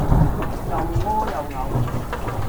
又屙又嘔